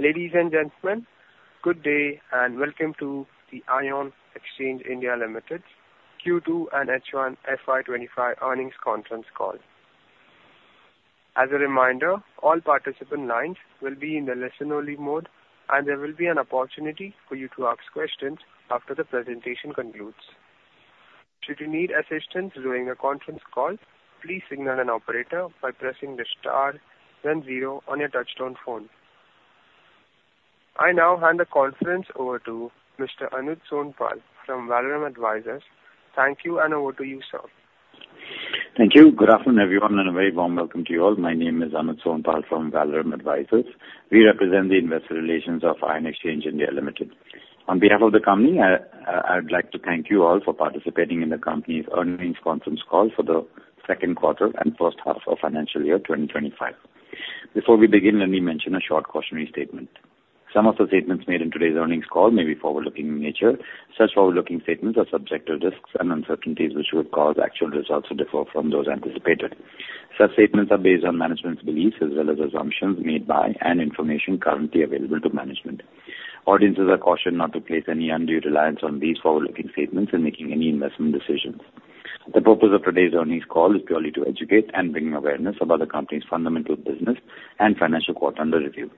Ladies and gentlemen, good day and welcome to the Ion Exchange India Limited Q2 and H1 FY 2025 earnings conference call. As a reminder, all participant lines will be in the listen only mode, and there will be an opportunity for you to ask questions after the presentation concludes. Should you need assistance during the conference call, please signal an operator by pressing the star then zero on your touchtone phone. I now hand the conference over to Mr. Anuj Sonpal from Valorum Advisors. Thank you, and over to you, sir. Thank you. Good afternoon, everyone, and a very warm welcome to you all. My name is Anuj Sonpal from Valorum Advisors. We represent the investor relations of Ion Exchange India Limited. On behalf of the company, I would like to thank you all for participating in the company's earnings conference call for the second quarter and first half of financial year 2025. Before we begin, let me mention a short cautionary statement. Some of the statements made in today's earnings call may be forward-looking in nature. Such forward-looking statements are subject to risks and uncertainties, which would cause actual results to differ from those anticipated. Such statements are based on management's beliefs as well as assumptions made by, and information currently available to management. Audiences are cautioned not to place any undue reliance on these forward-looking statements in making any investment decisions. The purpose of today's earnings call is purely to educate and bring awareness about the company's fundamental business and financial quarter under review.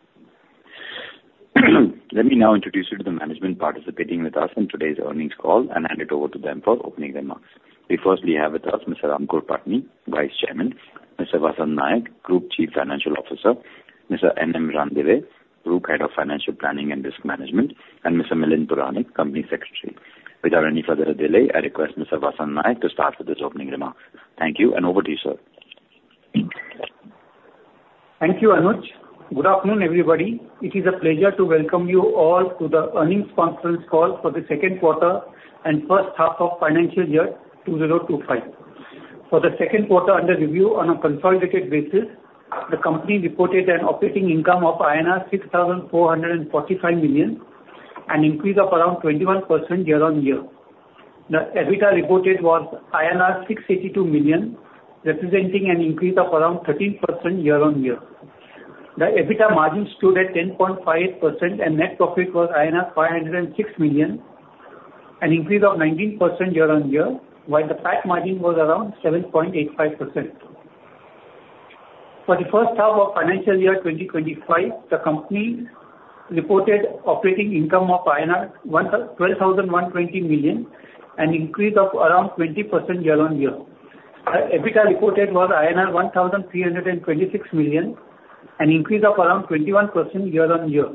Let me now introduce you to the management participating with us in today's earnings call and hand it over to them for opening remarks. We firstly have with us Mr. Aankur Patni, Vice Chairman, Mr. Vasant Naik, Group Chief Financial Officer, Mr. N. M. Ranadive, Group Head of Financial Planning and Risk Management, and Mr. Milind Turakhia, Company Secretary. Without any further delay, I request Mr. Vasant Naik to start with his opening remarks. Thank you, and over to you, sir. Thank you, Anuj. Good afternoon, everybody. It is a pleasure to welcome you all to the earnings conference call for the second quarter and first half of financial year 2025. For the second quarter under review on a consolidated basis, the company reported an operating income of INR 6,445 million, an increase of around 21% year-on-year. The EBITDA reported was INR 682 million, representing an increase of around 13% year-on-year. The EBITDA margin stood at 10.58% and net profit was INR 506 million, an increase of 19% year-on-year, while the PAT margin was around 7.85%. For the first half of financial year 2025, the company reported operating income of INR 12,120 million, an increase of around 20% year-on-year. The EBITDA reported was INR 1,326 million, an increase of around 21% year-on-year.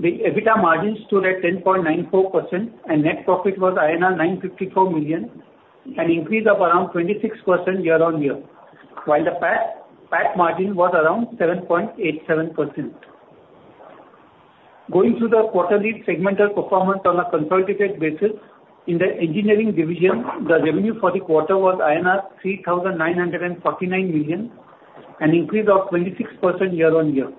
The EBITDA margin stood at 10.94% and net profit was INR 954 million, an increase of around 26% year-on-year, while the PAT margin was around 7.87%. Going through the quarterly segmental performance on a consolidated basis, in the engineering division, the revenue for the quarter was INR 3,949 million, an increase of 26% year-on-year.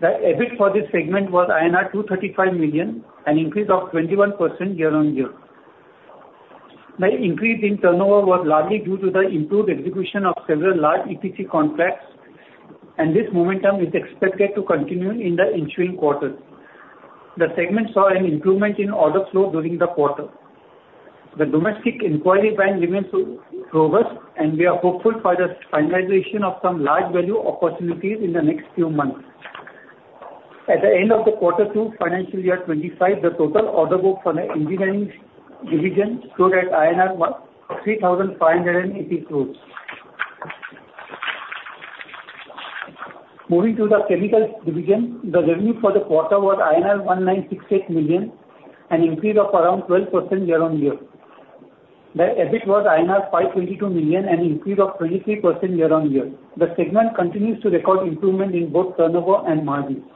The EBIT for this segment was INR 235 million, an increase of 21% year-on-year. The increase in turnover was largely due to the improved execution of several large EPC contracts, and this momentum is expected to continue in the ensuing quarters. The segment saw an improvement in order flow during the quarter. The domestic inquiry bank remains robust, and we are hopeful for the finalization of some large-value opportunities in the next few months. At the end of the quarter 2 FY 2025, the total order book for the engineering division stood at INR 3,580 crore. Moving to the chemicals division, the revenue for the quarter was INR 1,968 million, an increase of around 12% year-on-year. The EBIT was INR 522 million, an increase of 23% year-on-year. The segment continues to record improvement in both turnover and margins.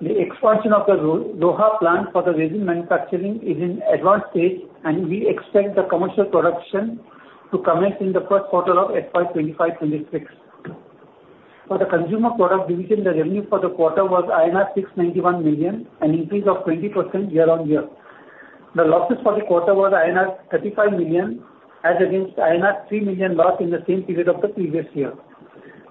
The expansion of the Roha plant for the resin manufacturing is in advanced stage, and we expect the commercial production to commence in the first quarter of FY 2025, 2026. For the consumer product division, the revenue for the quarter was INR 691 million, an increase of 20% year-on-year. The losses for the quarter was INR 35 million as against INR 3 million loss in the same period of the previous year.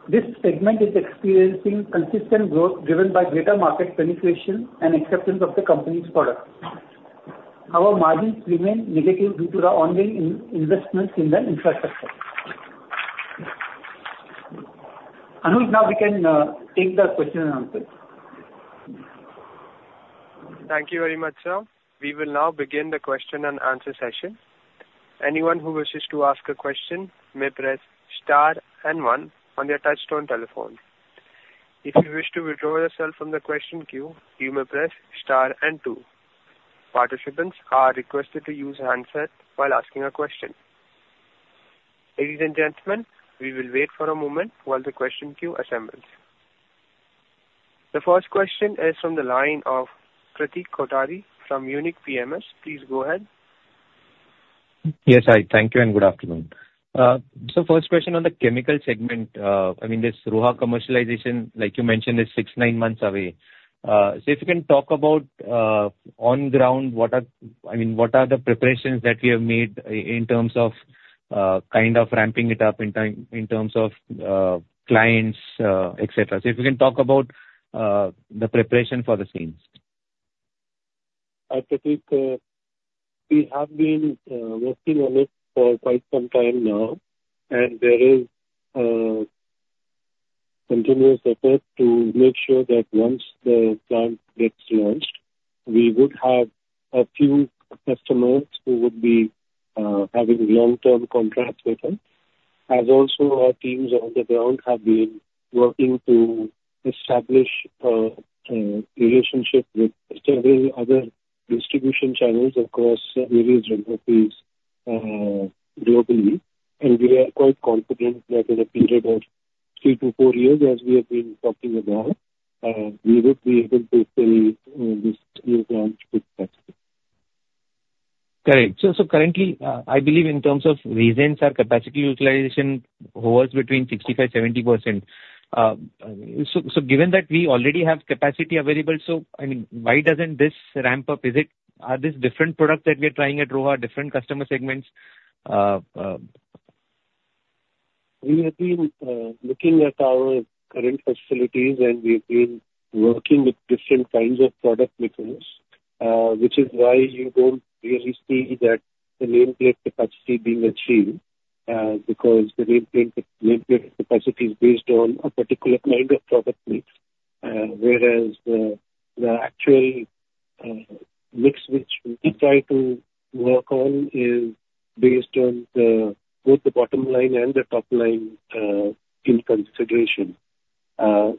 This segment is experiencing consistent growth driven by greater market penetration and acceptance of the company's products. Our margins remain negative due to the ongoing investments in the infrastructure. Anuj, now we can take the question and answer. Thank you very much, sir. We will now begin the question and answer session. Anyone who wishes to ask a question may press star 1 on their touchtone telephone. If you wish to withdraw yourself from the question queue, you may press star 2. Participants are requested to use a handset while asking a question. Ladies and gentlemen, we will wait for a moment while the question queue assembles. The first question is from the line of Pratik Kothari from Unique PMS. Please go ahead. Yes. Hi. Thank you and good afternoon. First question on the chemical segment. This Roha commercialization, like you mentioned, is six to nine months away. See if you can talk about on ground, what are the preparations that you have made in terms of kind of ramping it up in terms of clients, et cetera. If you can talk about the preparation for the same. Pratik, we have been working on it for quite some time now, there is a continuous effort to make sure that once the plant gets launched, we would have a few customers who would be having long-term contracts with us. Also our teams on the ground have been working to establish a relationship with several other distribution channels across various geographies globally. We are quite confident that in a period of three to four years, as we have been talking about, we would be able to scale this new plant with that. Correct. Currently, I believe in terms of resins, our capacity utilization hovers between 65%-70%. Given that we already have capacity available, why doesn't this ramp up? Are these different products that we are trying at Roha, different customer segments? We have been looking at our current facilities, we've been working with different kinds of product mix, which is why you don't really see that the nameplate capacity being achieved, because the nameplate capacity is based on a particular kind of product mix. Whereas the actual mix which we try to work on is based on both the bottom line and the top line in consideration. When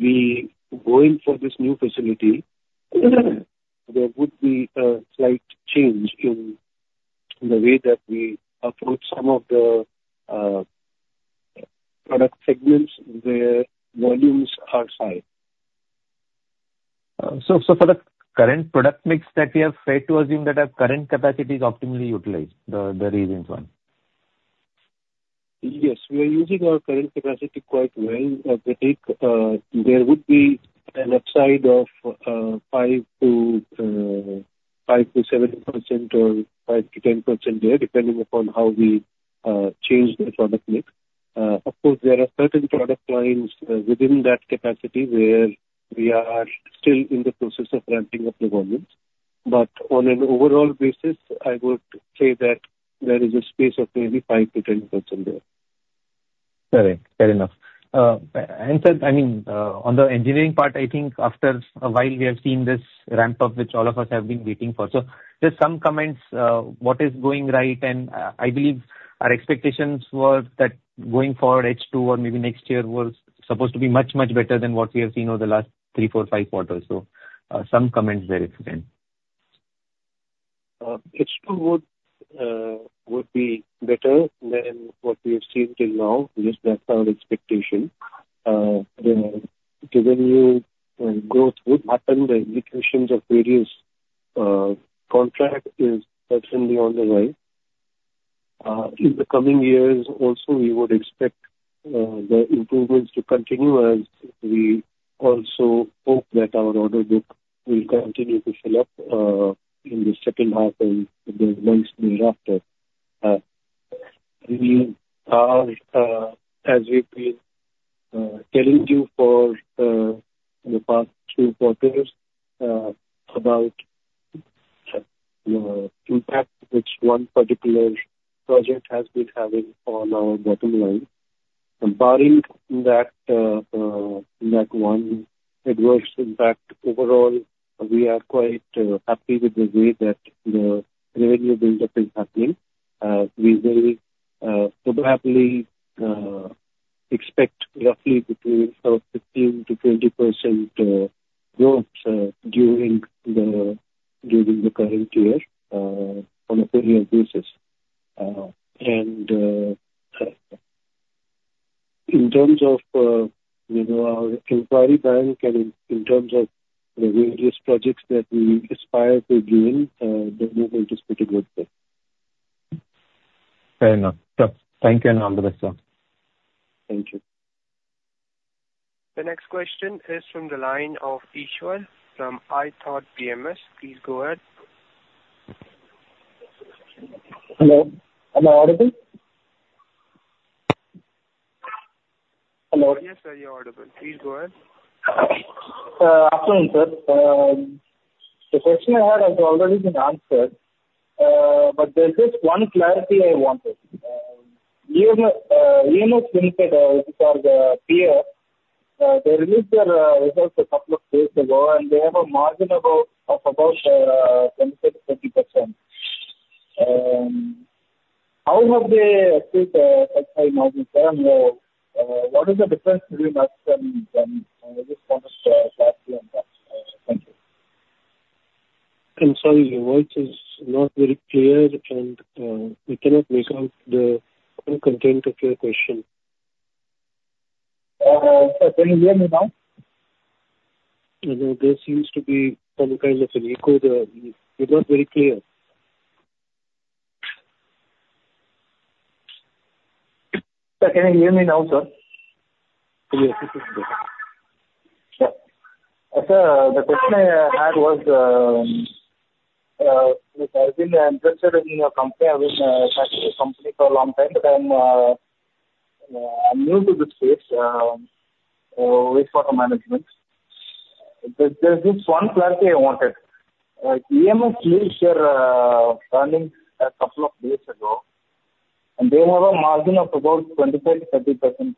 we go in for this new facility, there would be a slight change in the way that we approach some of the product segments where volumes are high. For the current product mix that we have, fair to assume that our current capacity is optimally utilized. Yes, we are using our current capacity quite well, Pratik. There would be an upside of 5%-7% or 5%-10% there, depending upon how we change the product mix. Of course, there are certain product lines within that capacity where we are still in the process of ramping up the volumes. On an overall basis, I would say that there is a space of maybe 5%-10% there. Correct. Fair enough. Sir, on the engineering part, I think after a while we have seen this ramp up, which all of us have been waiting for. Just some comments, what is going right? I believe our expectations were that going forward H2 or maybe next year was supposed to be much, much better than what we have seen over the last three, four, five quarters. Some comments there if you can. H2 would be better than what we have seen till now, at least that's our expectation. The revenue growth would happen. The executions of various contract is certainly on the way. In the coming years also, we would expect the improvements to continue as we also hope that our order book will continue to fill up in the second half and the months thereafter. As we've been telling you for the past two quarters about the impact which one particular project has been having on our bottom line. Barring that one adverse impact, overall, we are quite happy with the way that the revenue build-up is happening. We will probably expect roughly between 15%-20% growth during the current year on a full year basis. In terms of our inquiry bank and in terms of the various projects that we aspire to gain, the movement is pretty good there. Fair enough, sir. Thank you and all the best, sir. Thank you. The next question is from the line of Eshwar from ithought PMS. Please go ahead. Hello, am I audible? Hello. Yes, sir, you're audible. Please go ahead. Afternoon, sir. The question I had has already been answered, there's just one clarity I wanted. EMS Limited, which is our peer, they released their results a couple of days ago, and they have a margin of about 20%-30%. How have they achieved such high margin, sir? What is the difference between us and them? I just wanted clarity on that, sir. Thank you. I'm sorry, your voice is not very clear, and we cannot make out the full content of your question. Sir, can you hear me now? No, there seems to be some kind of an echo there. You're not very clear. Sir, can you hear me now, sir? Yes. Sir, the question I had was, I've been interested in your company. I've been tracking your company for a long time, but I'm new to this space, wastewater management. There's this one clarity I wanted. EMS released their earnings a couple of days ago, and they have a margin of about 25%-30%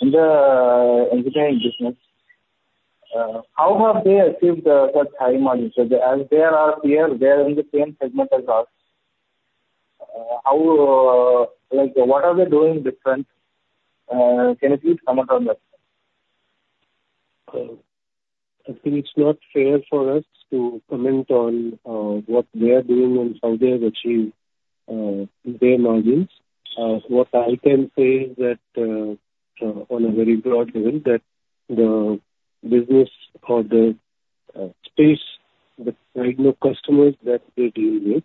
in the engineering business. How have they achieved such high margins? As they are our peers, they are in the same segment as us. What are they doing different? Can you please comment on that, sir? I think it's not fair for us to comment on what they are doing and how they have achieved their margins. What I can say is that, on a very broad level, that the business or the space, the segment of customers that they deal with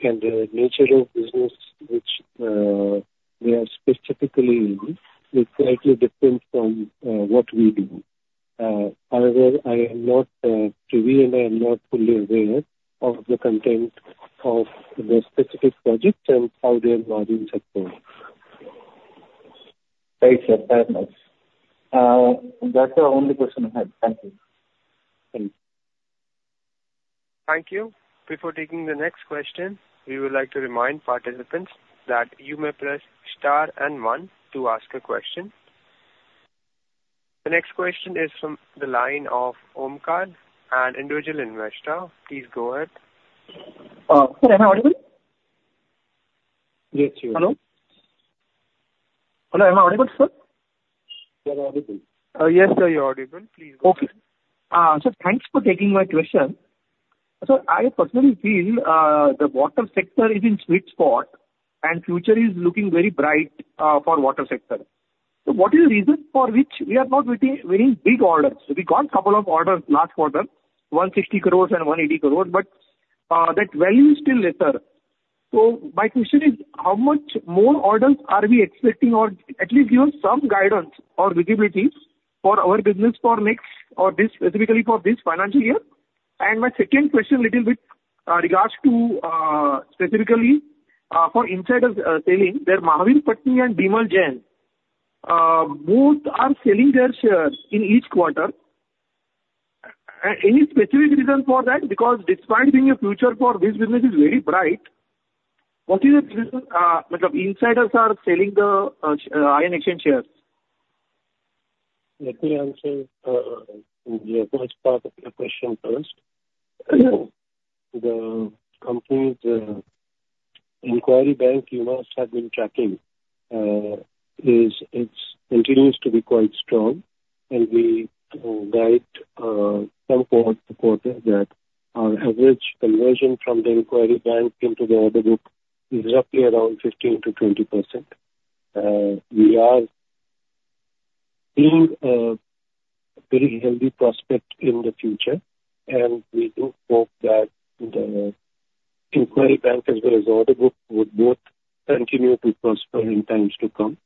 and the nature of business which they are specifically in, is slightly different from what we do. However, to be fair, I am not fully aware of the content of their specific projects and how their margins are growing. Thanks, sir. Fair enough. That's the only question I had. Thank you. Thank you. Thank you. Before taking the next question, we would like to remind participants that you may press star and one to ask a question. The next question is from the line of Omkar, an individual investor. Please go ahead. Sir, am I audible? Yes, you are. Hello. Hello, am I audible, sir? You are audible. Yes, sir, you're audible. Please go ahead. Sir, thanks for taking my question. Sir, I personally feel the water sector is in sweet spot and future is looking very bright for water sector. What is the reason for which we are not winning big orders? We got couple of orders last quarter, 160 crore and 180 crore. That value is still lesser. My question is, how much more orders are we expecting, or at least give us some guidance or visibility for our business for next or specifically for this financial year? My second question, little bit regards to specifically for insiders selling, there Mahabir Patni and Bimal Jain, both are selling their shares in each quarter. Any specific reason for that? Despite being a future for this business is very bright, what is the reason insiders are selling the Ion Exchange shares? Let me answer the first part of your question first. The company's inquiry bank, you must have been tracking, it continues to be quite strong. We guide some quarters that our average conversion from the inquiry bank into the order book is roughly around 15%-20%. We are seeing a very healthy prospect in the future. We do hope that the inquiry bank as well as order book would both continue to prosper in times to come.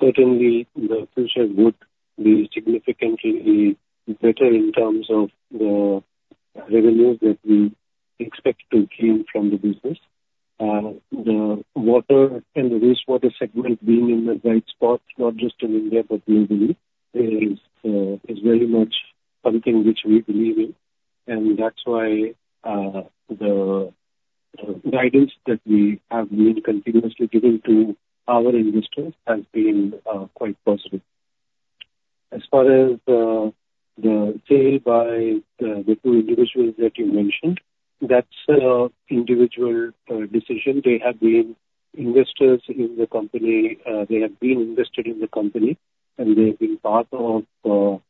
Certainly, the future would be significantly better in terms of the revenues that we expect to gain from the business. The water and the wastewater segment being in the right spot, not just in India but globally, is very much something which we believe in. That's why the guidance that we have been continuously giving to our investors has been quite positive. As far as the sale by the two individuals that you mentioned, that's a individual decision. They have been investors in the company. They have been invested in the company. They have been part of the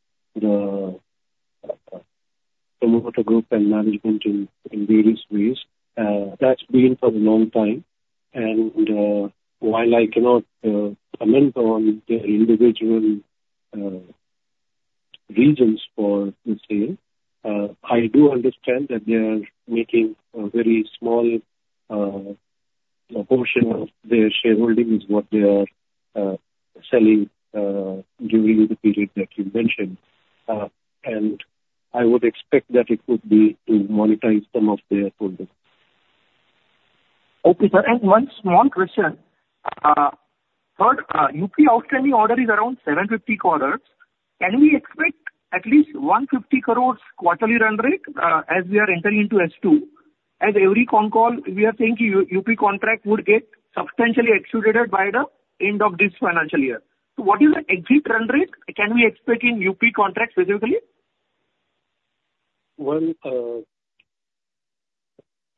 promoter group and management in various ways. That's been for a long time. While I cannot comment on the individual reasons for the sale, I do understand that they are making a very small portion of their shareholdings, what they are selling during the period that you mentioned. I would expect that it would be to monetize some of their holdings. Okay, sir. One small question. Sir, U.P. outstanding order is around 750 crore. Can we expect at least 150 crore quarterly run rate as we are entering into H2? As every con call, we are saying U.P. contract would get substantially executed by the end of this financial year. What is the exact run rate can we expect in U.P. contracts specifically? Well, the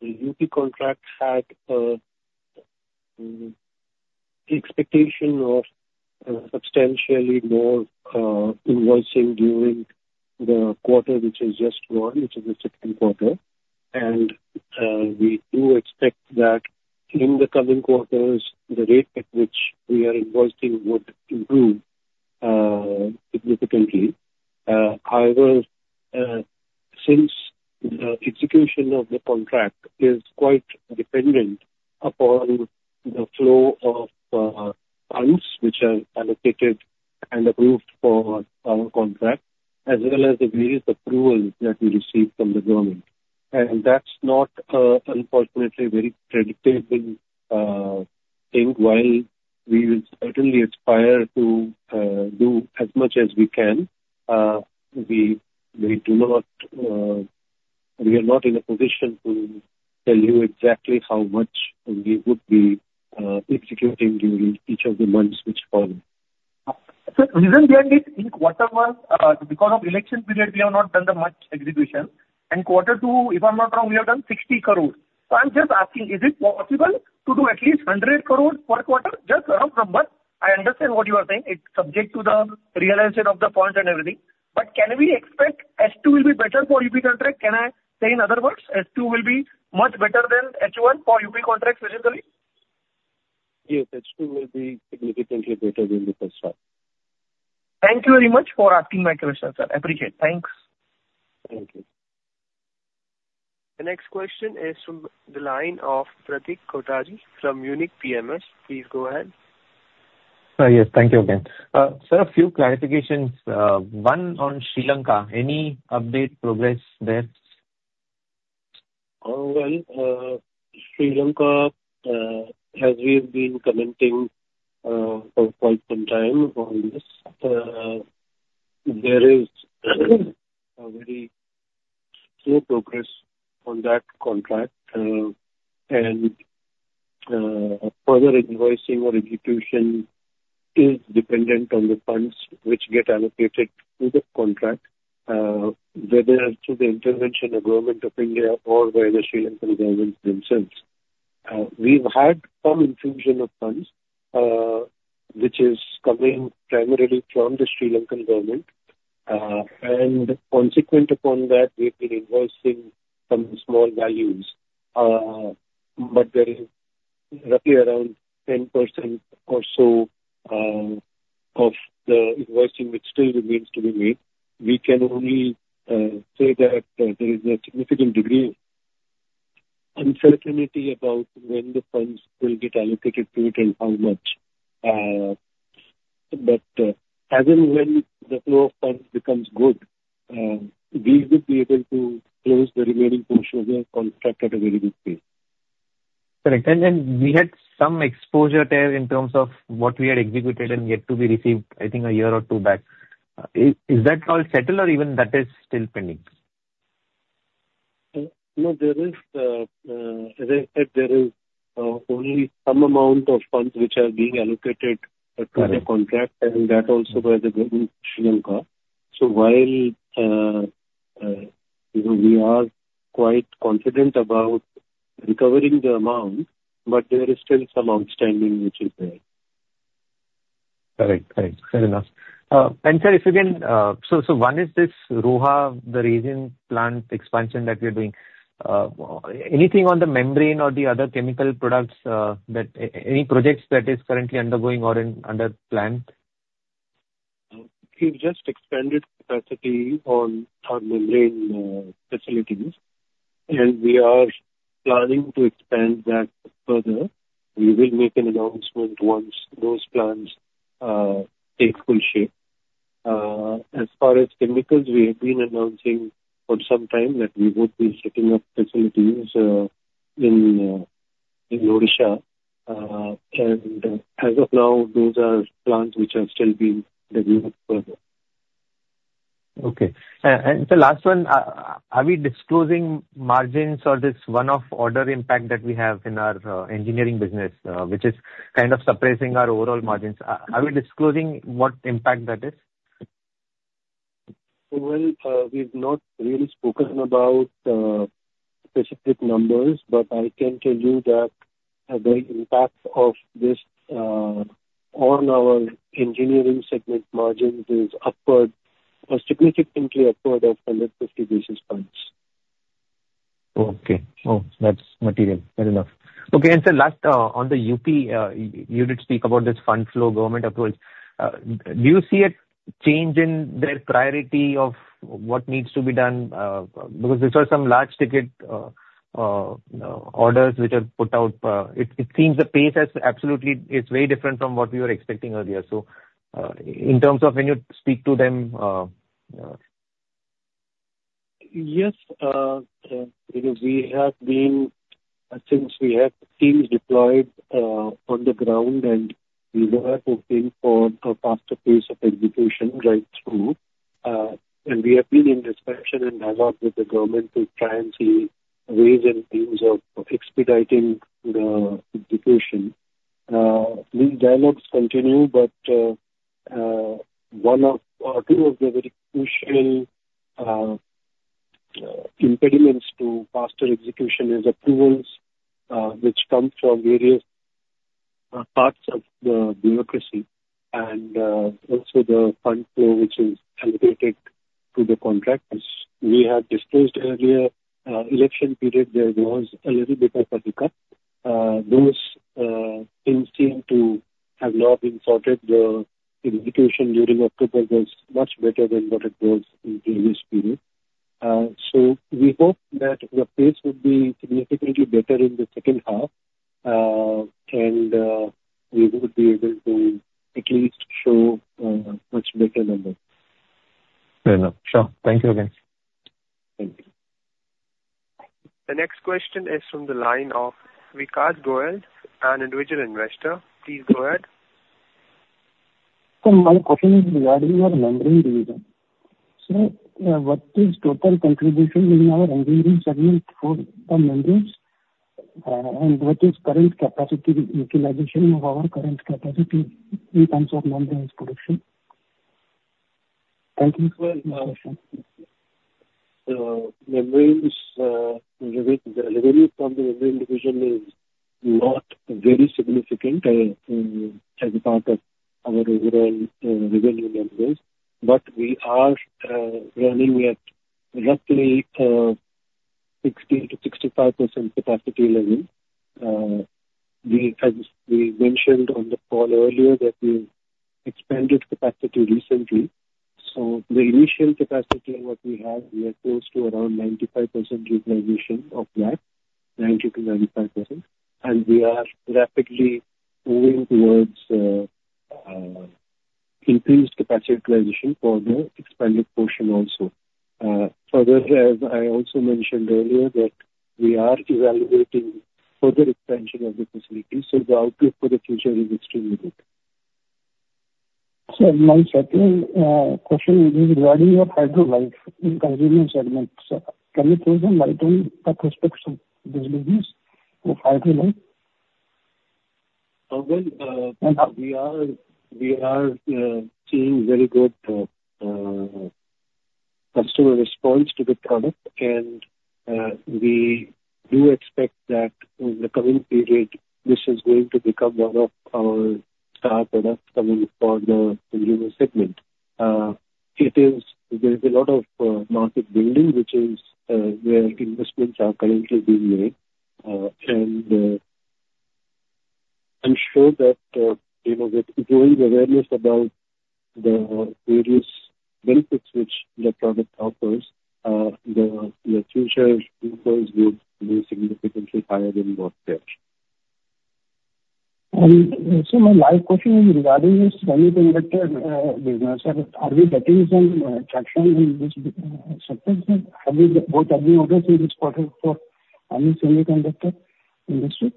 U.P. contract had an expectation of substantially more invoicing during the quarter, which has just gone, which is the second quarter. We do expect that in the coming quarters, the rate at which we are invoicing would improve significantly. However, since the execution of the contract is quite dependent upon the flow of funds which are allocated and approved for our contract, as well as the various approvals that we receive from the government. That is not, unfortunately, a very predictable thing. While we will certainly aspire to do as much as we can, we are not in a position to tell you exactly how much we would be executing during each of the months which follow. Sir, reason behind it, in quarter one, because of election period, we have not done that much execution. In quarter two, if I am not wrong, we have done 60 crore. I am just asking, is it possible to do at least 100 crore per quarter? Just roughly. I understand what you are saying. It is subject to the realization of the funds and everything. Can we expect H2 will be better for U.P. contract? Can I say, in other words, H2 will be much better than H1 for U.P. contracts visually? Yes. H2 will be significantly better than the first half. Thank you very much for asking my question, sir. Appreciate it. Thanks. Thank you. The next question is from the line of Pratik Kothari from Unique PMS. Please go ahead. Yes. Thank you again. Sir, a few clarifications. One on Sri Lanka. Any update progress there? Well, Sri Lanka, as we have been commenting for quite some time on this, there is a very slow progress on that contract. Further invoicing or execution is dependent on the funds which get allocated to the contract, whether through the intervention of Government of India or by the Sri Lankan government themselves. We've had some infusion of funds, which is coming primarily from the Sri Lankan government, and consequent upon that, we've been invoicing some small values. There is roughly around 10% or so of the invoicing which still remains to be made. We can only say that there is a significant degree of uncertainty about when the funds will get allocated to it and how much. As and when the flow of funds becomes good, we would be able to close the remaining portion of the contract at a very good pace. Correct. We had some exposure there in terms of what we had executed and yet to be received, I think a year or two back. Is that all settled or even that is still pending? No, as I said, there is only some amount of funds which are being allocated to the contract, and that also by the government of Sri Lanka. While we are quite confident about recovering the amount, but there is still some outstanding which is there. Correct. Fair enough. Sir, if you can, one is this Roha, the region plant expansion that we are doing. Anything on the membrane or the other chemical products, any projects that is currently undergoing or under plan? We've just expanded capacity on our membrane facilities. We are planning to expand that further. We will make an announcement once those plans take full shape. As far as chemicals, we have been announcing for some time that we would be setting up facilities in Odisha. As of now, those are plans which are still being reviewed further. Okay. Sir, last one. Are we disclosing margins or this one-off order impact that we have in our engineering business, which is kind of suppressing our overall margins? Are we disclosing what impact that is? Well, we've not really spoken about specific numbers. I can tell you that the impact of this on our engineering segment margins is significantly upward of 150 basis points. Okay. Oh, that's material. Fair enough. Okay. Sir, last, on the UP, you did speak about this fund flow government approach. Do you see a change in their priority of what needs to be done? These are some large ticket orders which are put out. It seems the pace is absolutely very different from what we were expecting earlier. In terms of when you speak to them Yes. Since we have teams deployed on the ground, we were hoping for a faster pace of execution right through. We have been in discussion and dialogue with the government to try and see ways and means of expediting the execution. These dialogues continue, but two of the very crucial impediments to faster execution is approvals which come from various parts of the bureaucracy, and also the fund flow which is allocated to the contract, which we have disclosed earlier. Election period, there was a little bit of a hiccup. Those things seem to have now been sorted. The indication during October was much better than what it was in the previous period. We hope that the pace would be significantly better in the second half, and we would be able to at least show a much better number. Fair enough. Sure. Thank you again. Thank you. The next question is from the line of Vikas Goyal, an individual investor. Please go ahead. Sir, my question is regarding your membrane division. Sir, what is total contribution in our engineering segment for the membranes, and what is current capacity utilization of our current capacity in terms of membranes production? Thank you, sir. Membranes. The revenue from the membrane division is not very significant as a part of our overall revenue numbers. We are running at roughly 60%-65% capacity level. As we mentioned on the call earlier, that we expanded capacity recently. The initial capacity what we have, we are close to around 95% utilization of that, 90%-95%, and we are rapidly moving towards increased capacity utilization for the expanded portion also. As I also mentioned earlier, that we are evaluating further expansion of the facility, the outlook for the future is extremely good. Sir, my second question is regarding your HydroLife in consumer segment. Sir, can you tell the marketing perspectives of this business of HydroLife? Well, we are seeing very good customer response to the product and we do expect that in the coming period, this is going to become one of our star products coming for the consumer segment. There is a lot of market building, which is where investments are currently being made. I'm sure that with growing awareness about the various benefits which the product offers, the future impulse will be significantly higher than what it is. Sir, my last question is regarding this semiconductor business. Are we getting some traction in this sector? Have we got any orders in this quarter for any semiconductor industry?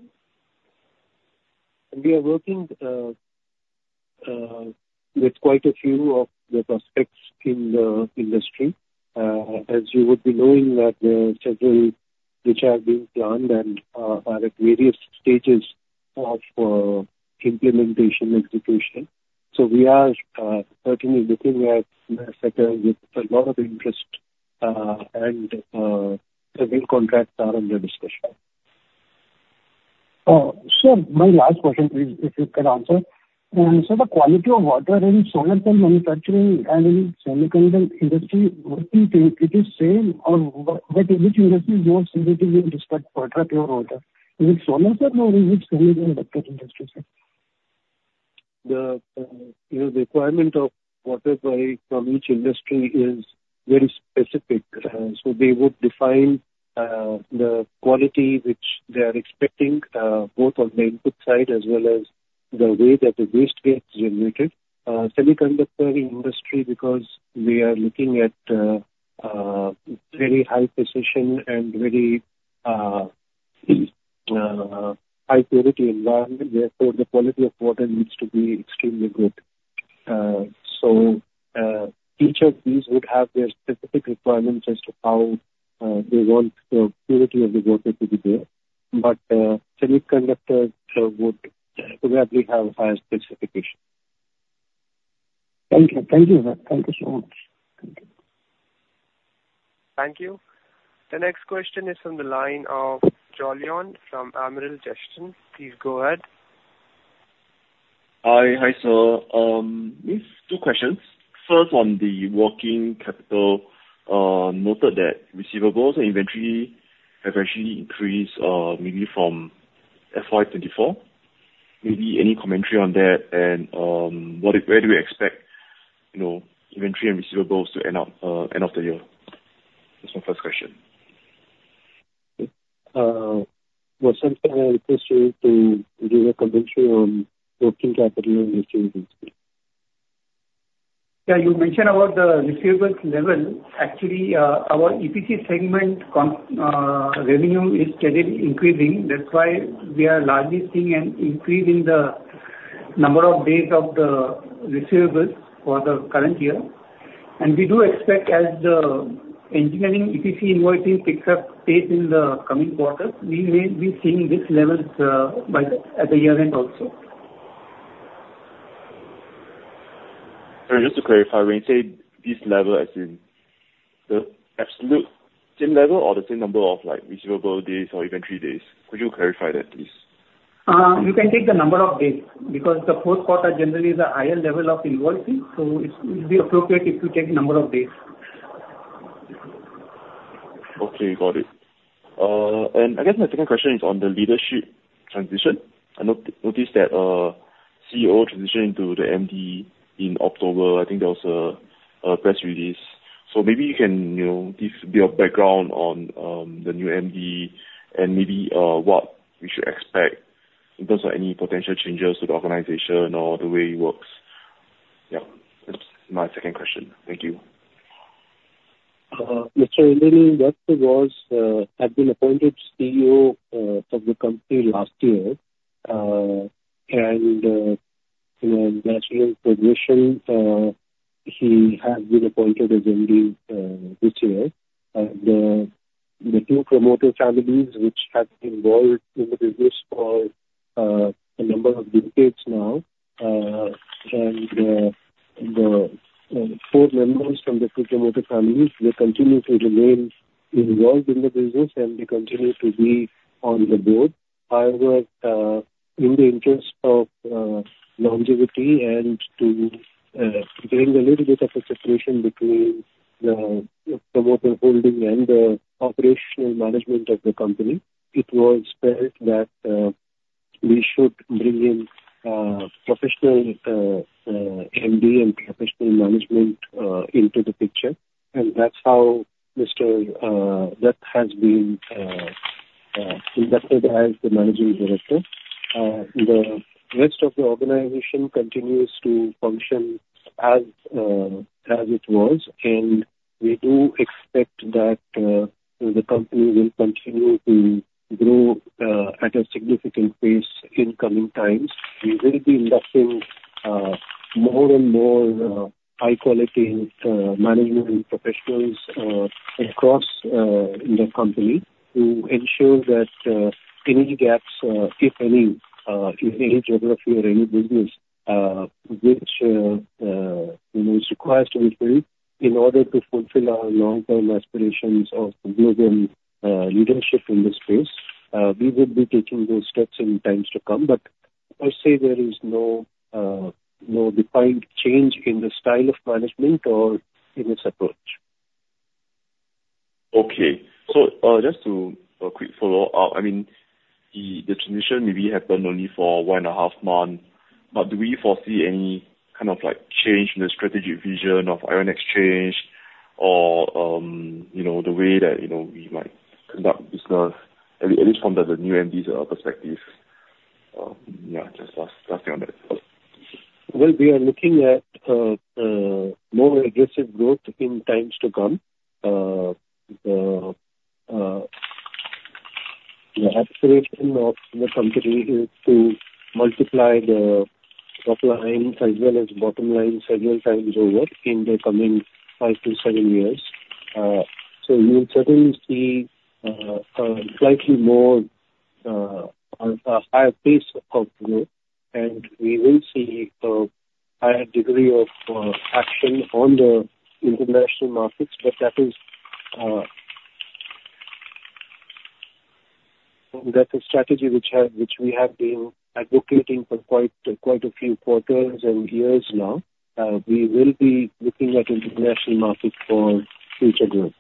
We are working with quite a few of the prospects in the industry. As you would be knowing that several which have been planned and are at various stages of implementation, execution. We are certainly looking at the sector with a lot of interest, and several contracts are under discussion. Sir, my last question please, if you can answer. The quality of water in solar cell manufacturing and in semiconductor industry, it is same or what pure water. In solar cell or in semiconductor industry, sir. The requirement of water from each industry is very specific. They would define the quality which they are expecting, both on the input side as well as the way that the waste gets generated. Semiconductor industry, because we are looking at very high precision and very high purity environment, therefore the quality of water needs to be extremely good. Each of these would have their specific requirements as to how they want the purity of the water to be there. Semiconductors would probably have higher specifications. Thank you. Thank you, sir. Thank you so much. Thank you. Thank you. The next question is from the line of Jolyon from Amiral Gestion. Please go ahead. Hi, sir. Just two questions. First, on the working capital. Noted that receivables and inventory have actually increased, maybe from FY 2024. Maybe any commentary on that and where do you expect inventory and receivables to end of the year? That's my first question. Vasant, can I request you to give a commentary on working capital and receivables? Yeah, you mentioned about the receivables level. Actually, our EPC segment revenue is steadily increasing. That's why we are largely seeing an increase in the number of days of the receivables for the current year. We do expect as the engineering EPC invoicing picks up pace in the coming quarters, we may be seeing these levels at the year-end also. Just to clarify, when you say this level, as in the absolute same level or the same number of receivable days or inventory days? Could you clarify that, please? You can take the number of days, because the fourth quarter generally is the higher level of invoicing, so it would be appropriate if you take number of days. Okay, got it. I guess my second question is on the leadership transition. I noticed that CEO transitioned to the MD in October. I think there was a press release. Maybe you can give a bit of background on the new MD and maybe what we should expect in terms of any potential changes to the organization or the way it works. Yeah, that's my second question. Thank you. Mr. Indraneel Dutt had been appointed CEO of the company last year. As a natural progression, he has been appointed as MD this year. The two promoter families which have been involved in the business for a number of decades now, the four members from the two promoter families will continue to remain involved in the business and they continue to be on the board. However, in the interest of longevity and to bring a little bit of a separation between the promoter holding and the operational management of the company, it was felt that we should bring in professional MD and professional management into the picture. That's how Mr. Dutt has been inducted as the Managing Director. The rest of the organization continues to function as it was. We do expect that the company will continue to grow at a significant pace in coming times. We will be investing more and more high quality management professionals across the company to ensure that any gaps, if any, in any geography or any business, which is required to be filled in order to fulfill our long term aspirations of global leadership in this space. We would be taking those steps in times to come. Per se, there is no defined change in the style of management or in its approach. Okay. Just to a quick follow-up. The transition maybe happened only for one and a half months, but do we foresee any kind of change in the strategic vision of Ion Exchange or the way that we might conduct business, at least from the new MD's perspective? Yeah, just last thing on that. Well, we are looking at more aggressive growth in times to come. The aspiration of the company is to multiply the top line as well as bottom line several times over in the coming five to seven years. You will certainly see a slightly more, a higher pace of growth. We will see a higher degree of action on the international markets, that's a strategy which we have been advocating for quite a few quarters and years now. We will be looking at international markets for future growth.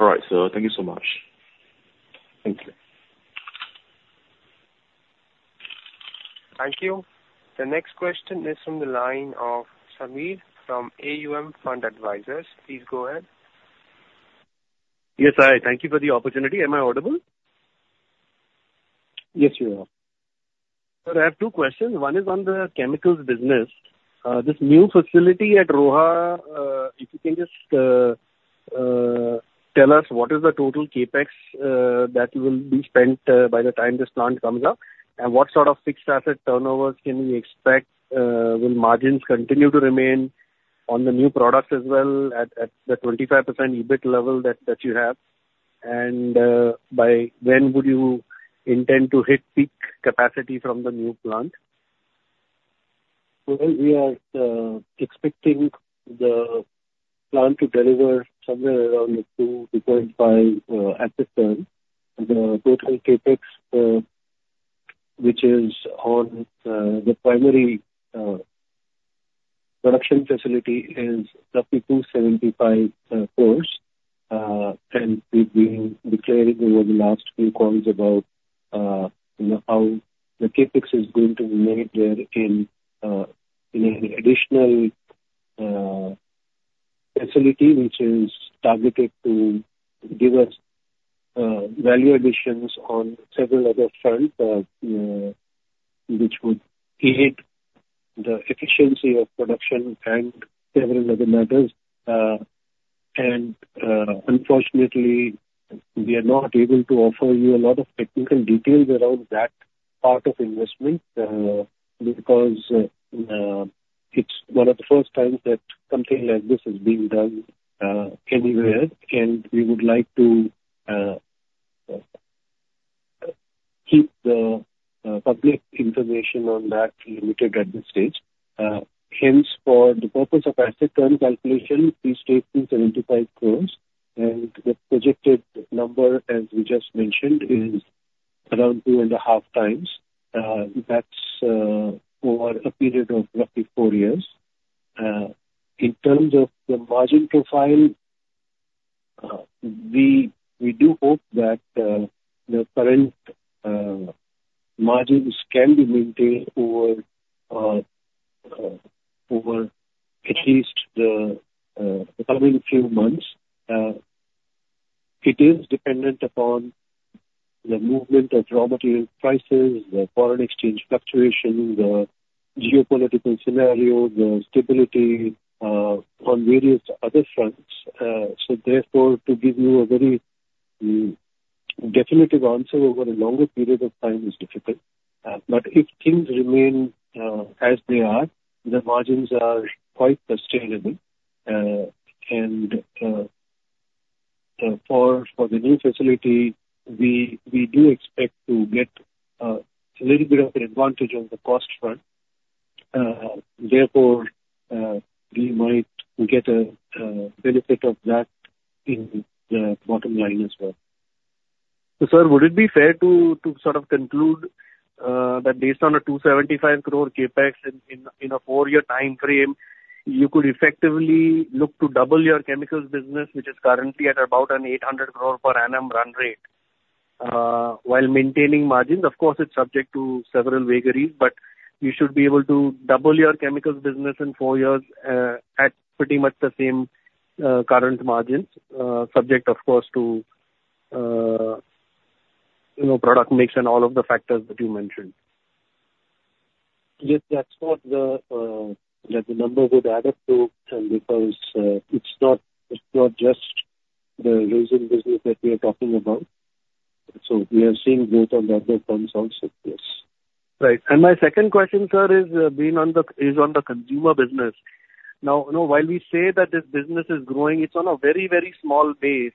All right, sir. Thank you so much. Thank you. Thank you. The next question is from the line of Sameer from Aum Fund Advisors. Please go ahead. Yes, hi. Thank you for the opportunity. Am I audible? Yes, you are. Sir, I have two questions. One is on the chemicals business. This new facility at Roha, if you can just tell us what is the total CapEx that will be spent by the time this plant comes up, and what sort of fixed asset turnovers can we expect? Will margins continue to remain on the new product as well at the 25% EBIT level that you have? By when would you intend to hit peak capacity from the new plant? Well, we are expecting the plant to deliver somewhere around two to two and a half at this time. The total CapEx which is on the primary production facility is roughly 275 crore. We've been declaring over the last few calls about how the CapEx is going to be made there in an additional facility which is targeted to give us value additions on several other fronts which would aid the efficiency of production and several other matters. Unfortunately, we are not able to offer you a lot of technical details around that part of investment because it's one of the first times that something like this is being done anywhere. We would like to keep the public information on that limited at this stage. Hence, for the purpose of asset turn calculation, please take 275 crore. The projected number, as we just mentioned, is around 2.5 times. That is over a period of roughly four years. In terms of the margin profile, we do hope that the current margins can be maintained over at least the coming few months. It is dependent upon the movement of raw material prices, the foreign exchange fluctuation, the geopolitical scenario, the stability on various other fronts. Therefore, to give you a very definitive answer over a longer period of time is difficult. If things remain as they are, the margins are quite sustainable. For the new facility, we do expect to get a little bit of an advantage on the cost front. Therefore, we might get a benefit of that in the bottom line as well. Sir, would it be fair to sort of conclude that based on an 275 crore CapEx in a four-year timeframe, you could effectively look to double your chemicals business, which is currently at about an 800 crore per annum run rate, while maintaining margins? Of course, it is subject to several vagaries. You should be able to double your chemicals business in four years at pretty much the same current margins, subject, of course, to product mix and all of the factors that you mentioned. Yes, that is what the number would add up to because it is not just the resin business that we are talking about. We are seeing growth on the other fronts also. Yes. Right. My second question, sir, is on the consumer business. Now, while we say that this business is growing, it is on a very, very small base.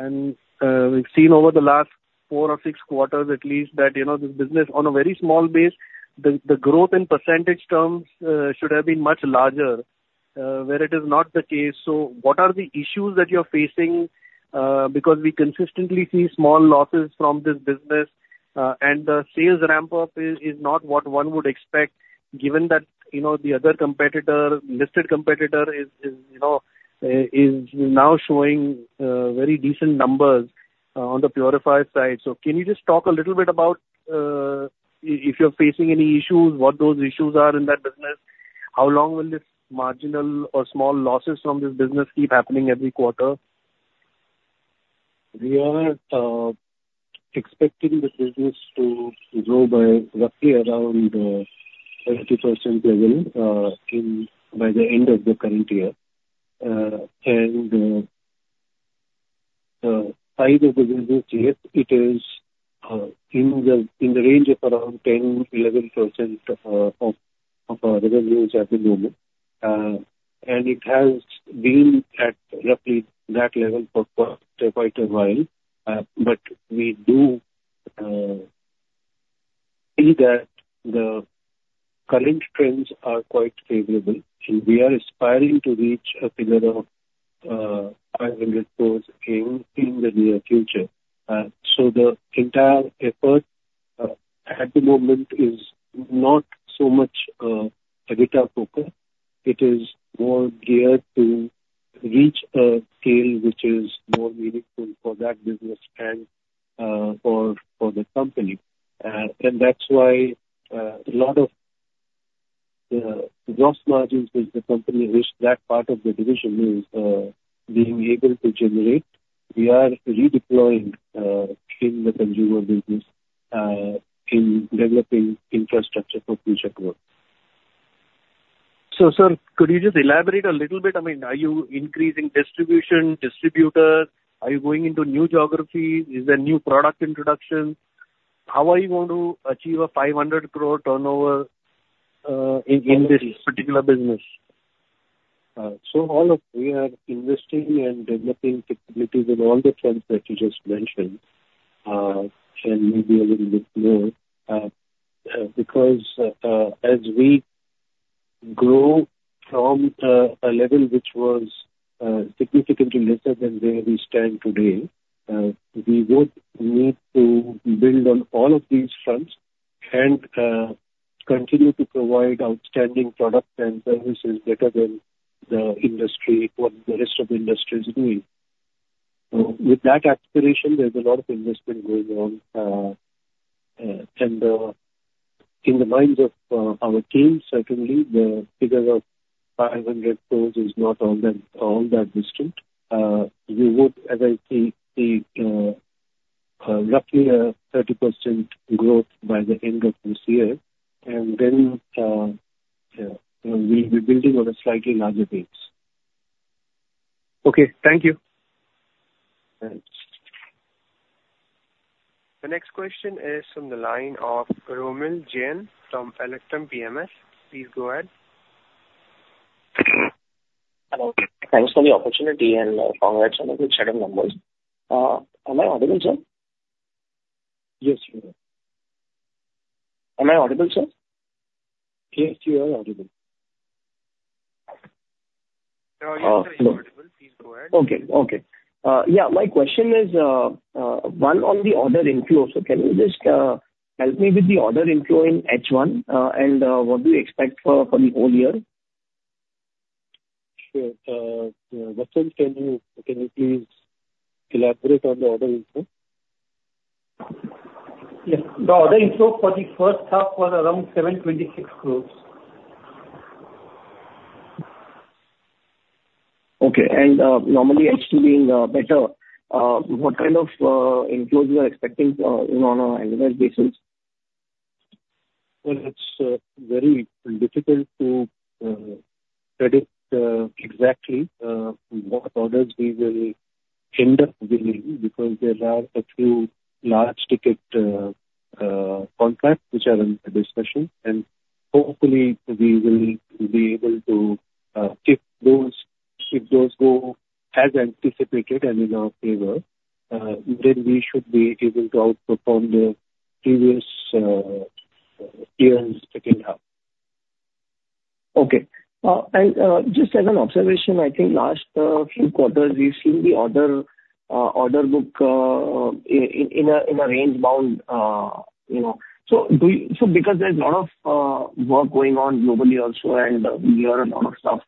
We have seen over the last four or six quarters at least that this business on a very small base, the growth in percentage terms should have been much larger, where it is not the case. What are the issues that you are facing? Because we consistently see small losses from this business, and the sales ramp-up is not what one would expect, given that the other listed competitor is now showing very decent numbers on the purifier side. Can you just talk a little bit about if you are facing any issues, what those issues are in that business? How long will this marginal or small losses from this business keep happening every quarter? We are expecting this business to grow by roughly around 30% level by the end of the current year. The size of the business yet, it is in the range of around 10-11% of our revenues at the moment. It has been at roughly that level for quite a while. We do see that the current trends are quite favorable, and we are aspiring to reach a figure of 500 crore in the near future. The entire effort at the moment is not so much EBITDA-focused. It is more geared to reach a scale which is more meaningful for that business and for the company. That's why a lot of gross margins which the company, which that part of the division is being able to generate, we are redeploying in the consumer business in developing infrastructure for future growth. Sir, could you just elaborate a little bit? Are you increasing distribution, distributor? Are you going into new geography? Is there new product introduction? How are you going to achieve a 500 crore turnover in this particular business? We are investing in and developing capabilities in all the fronts that you just mentioned, and maybe a little bit more. As we grow from a level which was significantly lesser than where we stand today, we would need to build on all of these fronts and continue to provide outstanding product and services better than what the rest of the industry is doing. With that aspiration, there's a lot of investment going on. In the minds of our team, certainly the figure of 500 crore is not all that distant. We would, as I say, see roughly a 30% growth by the end of this year, and then we'll be building on a slightly larger base. Okay. Thank you. Thanks. The next question is from the line of Romil Jain from Electrum PMS. Please go ahead. Hello. Thanks for the opportunity, and congrats on the excellent numbers. Am I audible, sir? Yes, you are. Am I audible, sir? Yes, you are audible. Please go ahead. Okay. Yeah, my question is, one, on the order inflow. Can you just help me with the order inflow in H1 and what do you expect for the whole year? Sure. Vasant, can you please elaborate on the order inflow? Yes. The order inflow for the first half was around 726 crores. Okay. Normally H2 being better, what kind of inflows you are expecting on an annual basis? Well, it's very difficult to predict exactly what orders we will end up winning because there are a few large ticket contracts which are under discussion, and hopefully we will be able to, if those go as anticipated and in our favor, then we should be able to outperform the previous year's second half. Okay. Just as an observation, I think last few quarters, we've seen the order book in a range bound. Because there's a lot of work going on globally also, and we hear a lot of stuff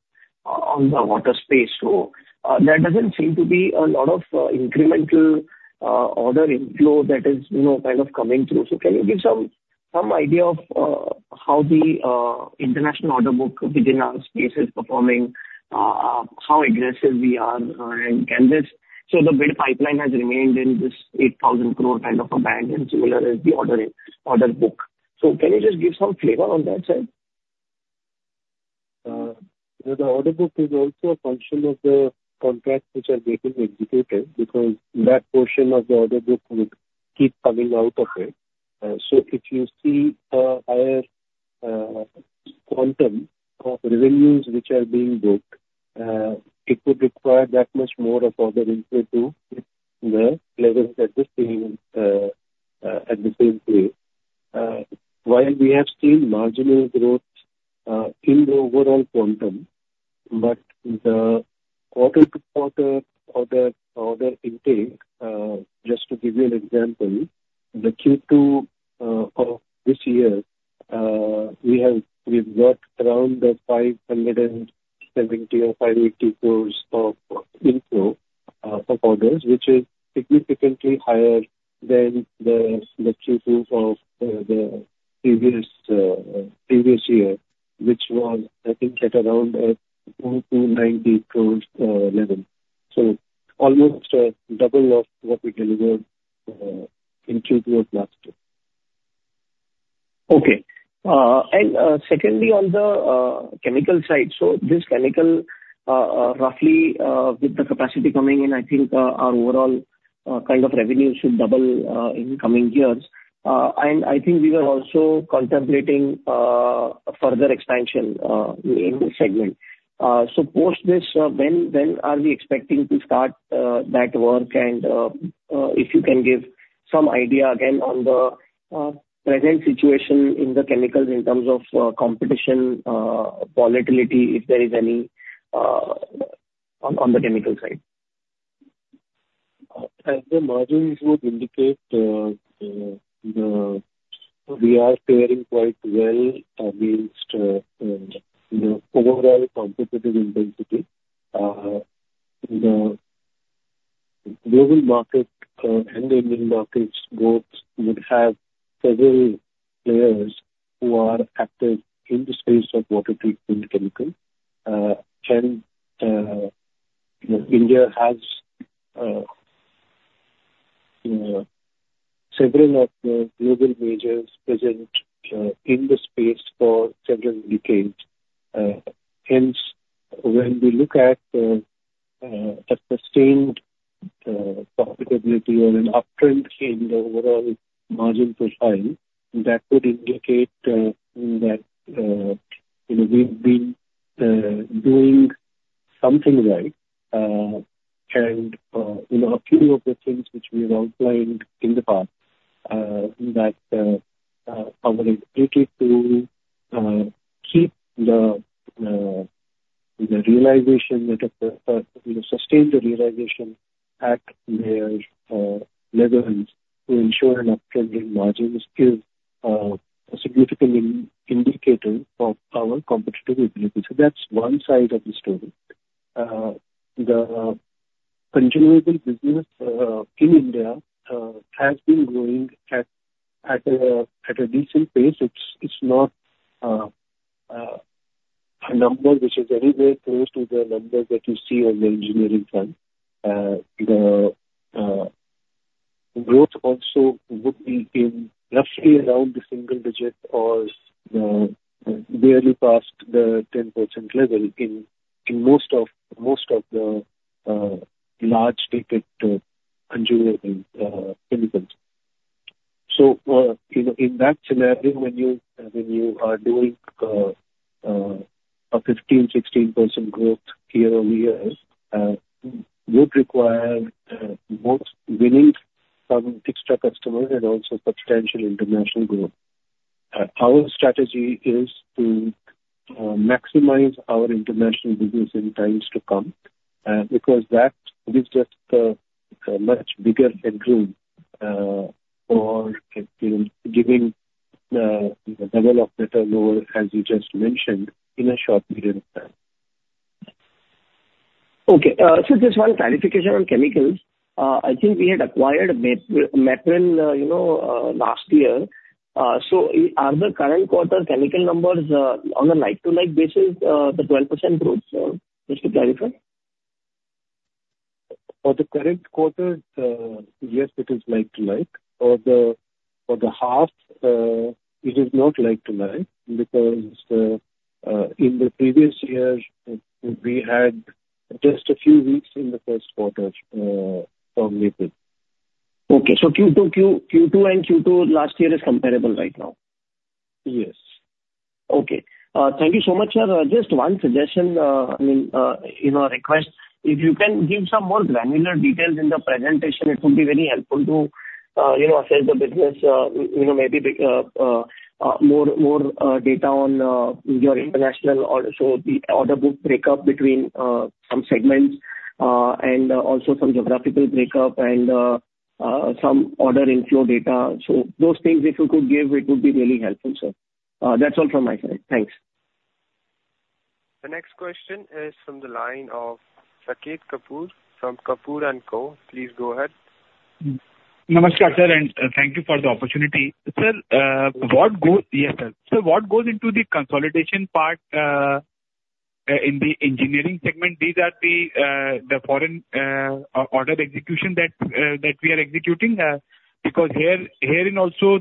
on the water space. There doesn't seem to be a lot of incremental order inflow that is coming through. Can you give some idea of how the international order book within our space is performing, how aggressive we are and can this the bid pipeline has remained in this 8,000 crore kind of a band and similar is the order book. Can you just give some flavor on that side? The order book is also a function of the contracts which are getting executed because that portion of the order book would keep coming out of it. If you see a higher quantum of revenues which are being booked, it would require that much more of order inflow to keep the levels at the same pace. While we have seen marginal growth in the overall quantum, but the quarter-to-quarter order intake, just to give you an example, the Q2 of this year, we've got around the 570 crore or 580 crore of inflow of orders, which is significantly higher than the Q2 of the previous year, which was, I think, at around 490 crore level. Almost double of what we delivered in Q2 of last year. Secondly, on the chemical side. This chemical, roughly with the capacity coming in, I think our overall kind of revenue should double in coming years. I think we were also contemplating a further expansion in this segment. Post this, when are we expecting to start that work? If you can give some idea again on the present situation in the chemicals in terms of competition, volatility, if there is any, on the chemical side. As the margins would indicate, we are faring quite well against the overall competitive intensity. The global market and the Indian markets both would have several players who are active in the space of water treatment chemical. India has several of the global majors present in the space for several decades. Hence, when we look at a sustained profitability or an uptrend in the overall margin profile, that would indicate that we've been doing something right. A few of the things which we have outlined in the past, that our ability to keep the realization, sustain the realization at their levels to ensure an uptrend in margins is a significant indicator of our competitive ability. That's one side of the story. The consumable business in India has been growing at a decent pace. It's not a number which is anywhere close to the numbers that you see on the engineering front. The growth also would be roughly around the single digit or barely past the 10% level in most of the large ticket consumable chemicals. In that scenario, when you are doing a 15%, 16% growth year-over-year, would require both winning some extra customers and also substantial international growth. Our strategy is to maximize our international business in times to come, because that is just a much bigger headroom for giving the level of better load, as you just mentioned, in a short period of time. Okay. Sir, just one clarification on chemicals. I think we had acquired MAPRIL last year. Are the current quarter chemical numbers on a like-to-like basis, the 12% growth, sir, just to clarify? For the current quarter, yes, it is like to like. For the half, it is not like to like because in the previous year, we had just a few weeks in the first quarter for Mapril. Okay. Q2 and Q2 last year is comparable right now? Yes. Okay. Thank you so much, sir. Just one suggestion, request. If you can give some more granular details in the presentation, it would be very helpful to assess the business. Maybe more data on your international order book breakup between some segments, and also some geographical breakup and some order inflow data. Those things, if you could give, it would be really helpful, sir. That's all from my side. Thanks. The next question is from the line of Saket Kapoor from Kapoor & Co. Please go ahead. Namaskar, sir, and thank you for the opportunity. Yes, sir. Sir, what goes into the consolidation part in the engineering segment? These are the foreign order execution that we are executing because herein also,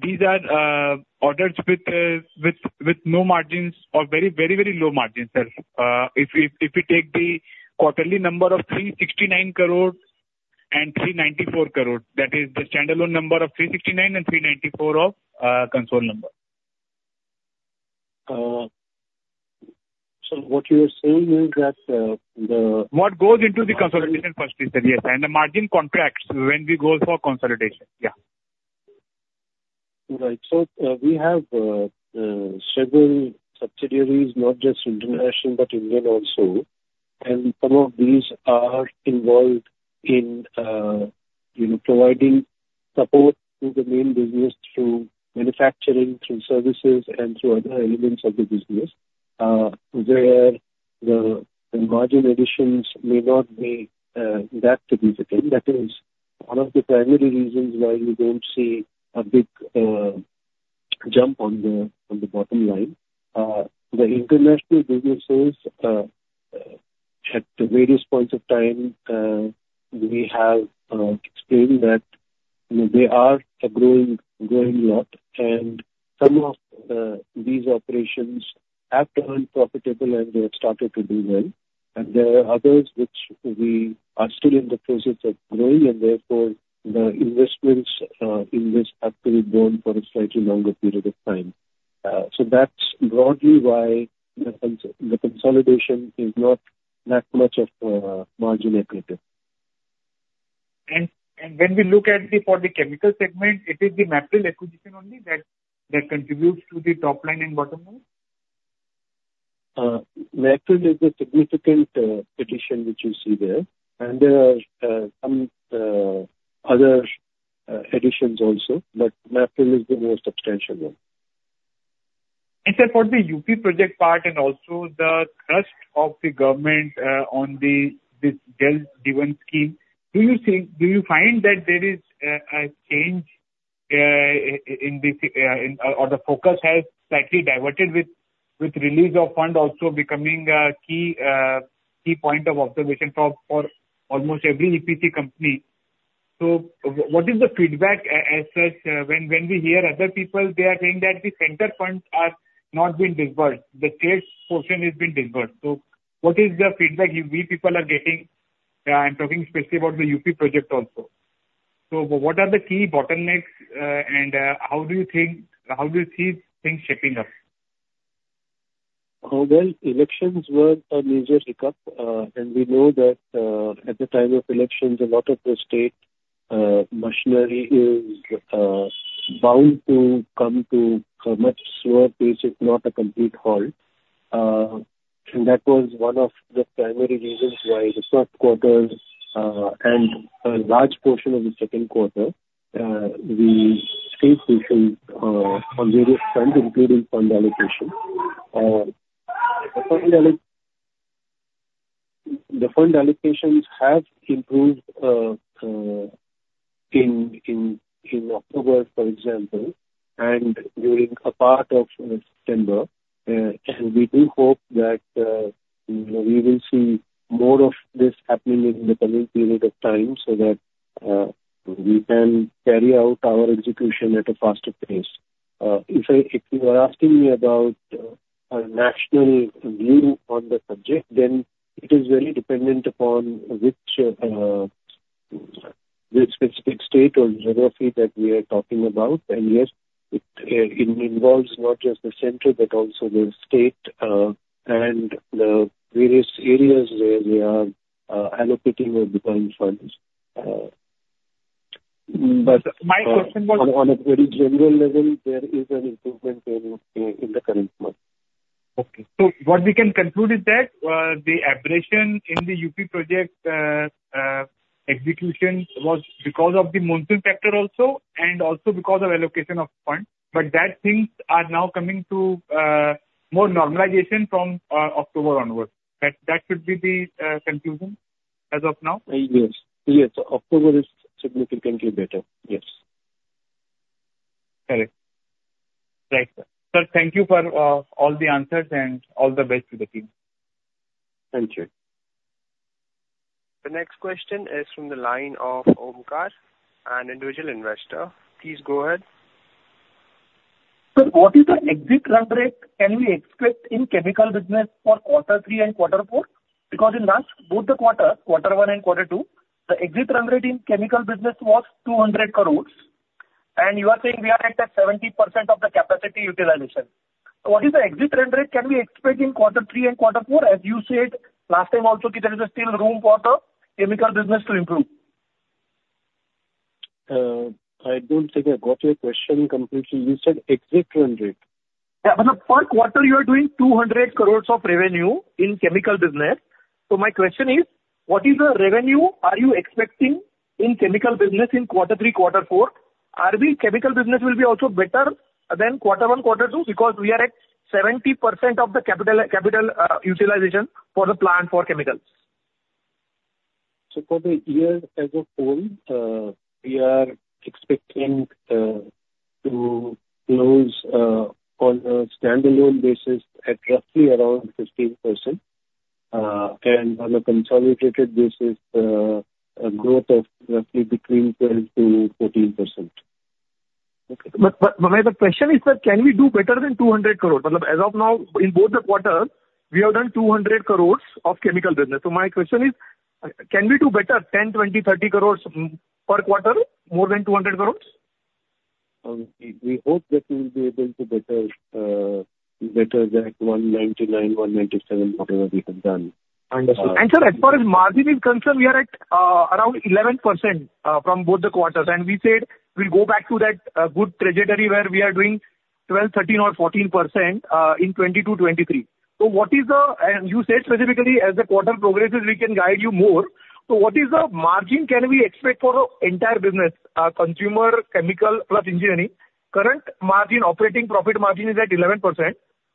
these are orders with no margins or very low margins, sir. If we take the quarterly number of 369 crore and 394 crore, that is the standalone number of 369 and 394 of consolidated number. Sir, what you are saying is that. What goes into the consolidation firstly, sir, yes. The margin contracts when we go for consolidation. Yeah. Right. We have several subsidiaries, not just international, but Indian also, and some of these are involved in providing support to the main business through manufacturing, through services, and through other elements of the business, where the margin additions may not be that significant. That is one of the primary reasons why you don't see a big jump on the bottom line. The international businesses, at various points of time, we have explained that they are a growing lot, and some of these operations have turned profitable, and they have started to do well. There are others which are still in the process of growing, and therefore, the investments in this have to be borne for a slightly longer period of time. That's broadly why the consolidation is not that much of a margin accretive. When we look at for the chemical segment, it is the MAPRIL acquisition only that contributes to the top line and bottom line? MAPRIL is a significant addition which you see there are some other additions also. MAPRIL is the most substantial one. Sir, for the U.P. project part and also the thrust of the government on this Jal Jeevan scheme, do you find that there is a change or the focus has slightly diverted with release of fund also becoming a key point of observation for almost every EPC company? What is the feedback as such when we hear other people, they are saying that the center funds are not being disbursed. The state portion is being disbursed. What is the feedback you people are getting? I'm talking specifically about the U.P. project also. What are the key bottlenecks and how do you see things shaping up? Well, elections were a major hiccup. We know that at the time of elections, a lot of the state machinery is bound to come to a much slower pace, if not a complete halt. That was one of the primary reasons why the first quarters and a large portion of the second quarter, we faced issues on various fronts, including fund allocation. The fund allocations have improved in October, for example, and during a part of September. We do hope that we will see more of this happening in the coming period of time so that we can carry out our execution at a faster pace. If you are asking me about a national view on the subject, then it is very dependent upon which specific state or geography that we are talking about. yes, it involves not just the center, but also the state and the various areas where we are allocating or deploying funds. My question was. On a very general level, there is an improvement there in the current month. What we can conclude is that the aberration in the UP project execution was because of the monsoon factor also, and also because of allocation of funds, but that things are now coming to more normalization from October onwards. That should be the conclusion as of now. Yes. October is significantly better. Yes. Correct. Right. Sir, thank you for all the answers, and all the best to the team. Thank you. The next question is from the line of Omkar, an individual investor. Please go ahead. Sir, what is the exit run rate can we expect in chemical business for quarter three and quarter four? In last both the quarters, quarter one and quarter two, the exit run rate in chemical business was 200 crores. You are saying we are at 70% of the capacity utilization. What is the exit run rate can we expect in quarter three and quarter four, as you said last time also, that there is still room for the chemical business to improve. I don't think I got your question completely. You said exit run rate. Yeah. Per quarter you are doing 200 crores of revenue in chemical business. My question is, what is the revenue are you expecting in chemical business in quarter three, quarter four? Are chemical business will be also better than quarter one, quarter two? We are at 70% of the capital utilization for the plant for chemicals. For the year as a whole, we are expecting to close on a standalone basis at roughly around 15%, and on a consolidated basis, a growth of roughly between 12%-14%. My question is that can we do better than 200 crores? As of now, in both the quarters, we have done 200 crores of chemical business. My question is, can we do better, 10, 20, 30 crores per quarter, more than 200 crores? We hope that we will be able to better that INR 199 crores, 197 crores, whatever we have done. Understood. Sir, as far as margin is concerned, we are at around 11% from both the quarters, and we said we will go back to that good trajectory where we are doing 12%, 13% or 14% in 2022, 2023. You said specifically as the quarter progresses, we can guide you more. What is the margin can we expect for the entire business, consumer, chemical plus engineering? Current margin, operating profit margin is at 11%.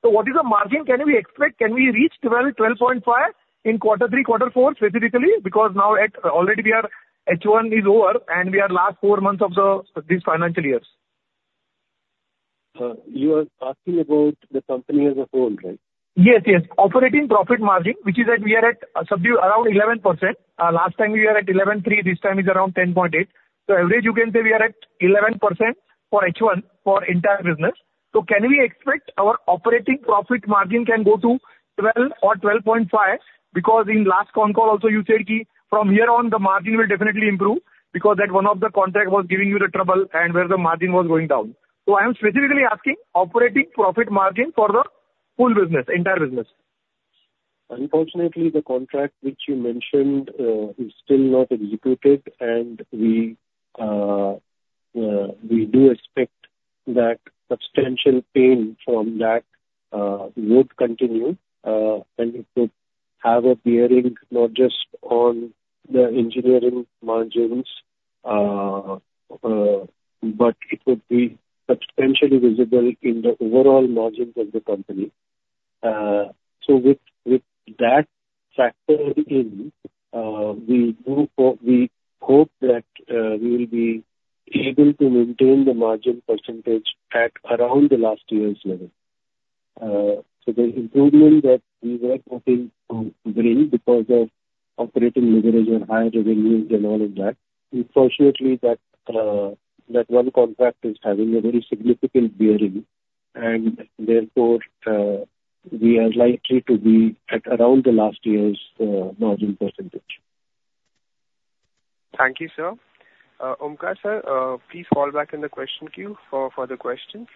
What is the margin can we expect? Can we reach 12%, 12.5% in quarter three, quarter four specifically? Because now already H1 is over, and we are last four months of these financial years. Sir, you are asking about the company as a whole, right? Yes. Operating profit margin, which is that we are at subdued around 11%. Last time we were at 11.3%, this time is around 10.8%. Average you can say we are at 11% for H1 for entire business. Can we expect our operating profit margin can go to 12% or 12.5%? Because in last con call also, you said from here on, the margin will definitely improve because that one of the contract was giving you the trouble and where the margin was going down. I am specifically asking operating profit margin for the full business, entire business. Unfortunately, the contract which you mentioned is still not executed, and we do expect that substantial pain from that would continue, and it could have a bearing not just on the engineering margins, but it would be substantially visible in the overall margins of the company. With that factor in, we hope that we will be able to maintain the margin percentage at around the last year's level. The improvement that we were hoping to bring because of operating leverage on higher revenues and all of that, unfortunately, that one contract is having a very significant bearing and therefore, we are likely to be at around the last year's margin percentage. Thank you, sir. Omkar sir, please fall back in the question queue for further questions.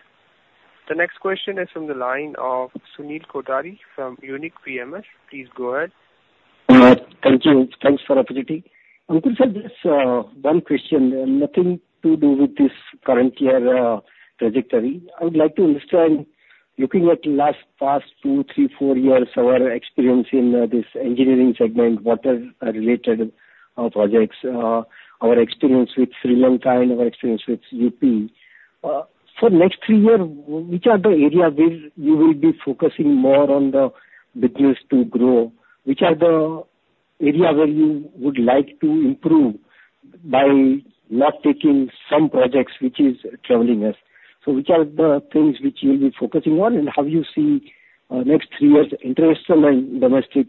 The next question is from the line of Sunil Kothari from Unique PMS. Please go ahead. Thank you. Thanks for the opportunity. Aankur sir, just one question, nothing to do with this current year trajectory. I would like to understand, looking at last past two, three, four years, our experience in this engineering segment, water related projects, our experience with Sri Lanka and our experience with U.P. For next three years, which are the areas where you will be focusing more on the business to grow? Which are the area where you would like to improve by not taking some projects which is troubling us? Which are the things which you'll be focusing on, and how you see next three years international and domestic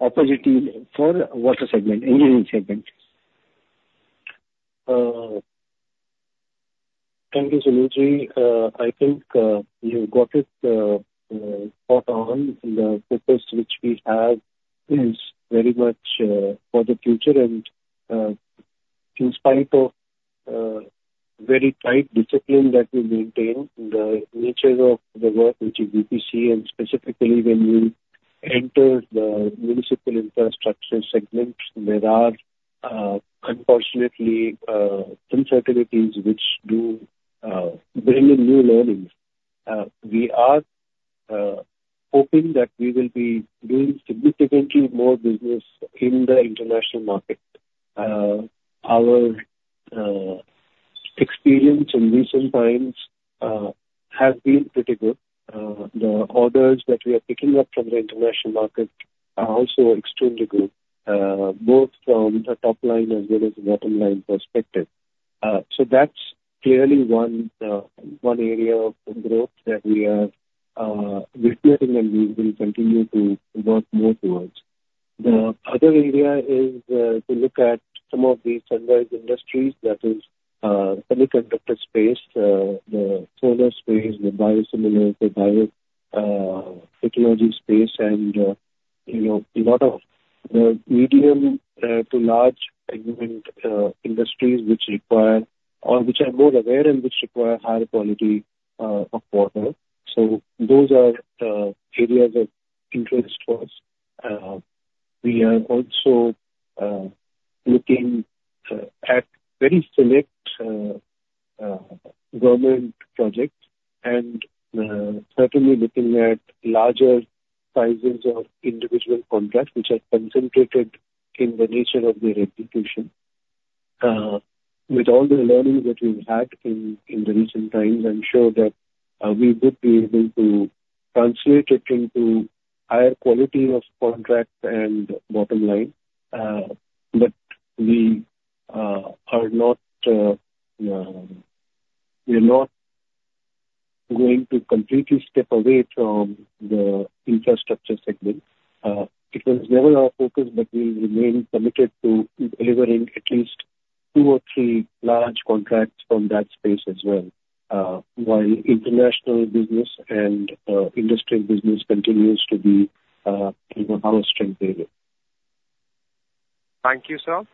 opportunity for water segment, engineering segment? Thank you, Sunil. I think you got it spot on. The focus which we have is very much for the future. In spite of very tight discipline that we maintain, the nature of the work, which is EPC, and specifically when we enter the municipal infrastructure segment, there are unfortunately, uncertainties which do bring in new learnings. We are hoping that we will be doing significantly more business in the international market. Our experience in recent times has been pretty good. The orders that we are picking up from the international market are also extremely good, both from the top line as well as the bottom line perspective. That's clearly one area of growth that we are looking and we will continue to work more towards. The other area is to look at some of these sunrise industries, that is semiconductor space, the solar space, the biosimilar, the biotechnology space, and a lot of medium to large segment industries which are more aware and which require higher quality of water. Those are areas of interest for us. We are also looking at very select government projects, and certainly looking at larger sizes of individual contracts, which are concentrated in the nature of their execution. With all the learning that we've had in the recent times, I'm sure that we would be able to translate it into higher quality of contracts and bottom line. We are not going to completely step away from the infrastructure segment. It was never our focus, but we remain committed to delivering at least two or three large contracts from that space as well, while international business and industrial business continues to be our strength area. Thank you, sir.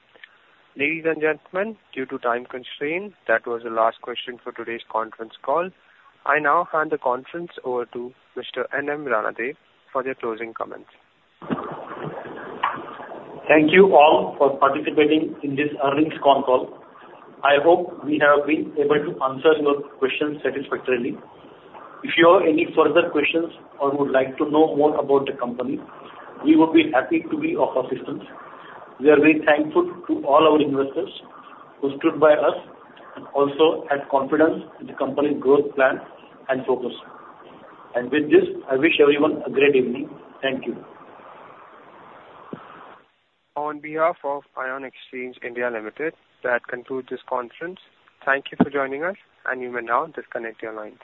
Ladies and gentlemen, due to time constraint, that was the last question for today's conference call. I now hand the conference over to Mr. N.M. Ranadive for the closing comments. Thank you all for participating in this earnings call. I hope we have been able to answer your questions satisfactorily. If you have any further questions or would like to know more about the company, we would be happy to be of assistance. We are very thankful to all our investors who stood by us and also had confidence in the company's growth plan and focus. With this, I wish everyone a great evening. Thank you. On behalf of Ion Exchange India Limited, that concludes this conference. Thank you for joining us and you may now disconnect your line.